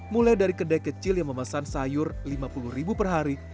mulai dari kedai kecil yang memesan sayur lima puluh ribu per hari